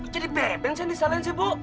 jadi beben sih yang disalahin sih bu